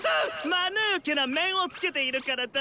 マヌケな面をつけているからだ！